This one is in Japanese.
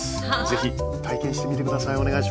是非体験してみて下さい。